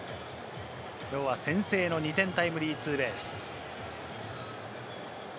きょうは先制の２点タイムリーツーベース。